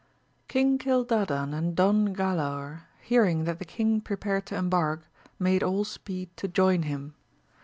ING CILDADAN and Don Galaor hearing that the king prepared to embark made all speed to join him.